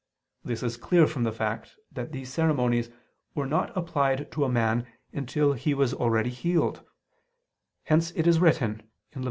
This is clear from the fact that these ceremonies were not applied to a man until he was already healed: hence it is written (Lev.